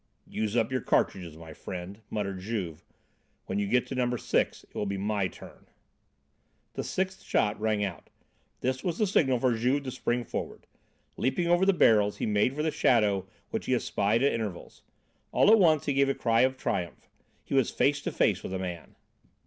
"Use up your cartridges, my friend," muttered Juve; "when your get to number six, it will be my turn." The sixth shot rang out. This was the signal for Juve to spring forward. Leaping over the barrels, he made for the shadow which he espied at intervals. All at once he gave a cry of triumph. He was face to face with a man.